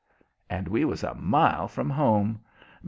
and we was a mile from home.